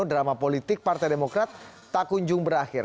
drama politik partai demokrat tak kunjung berakhir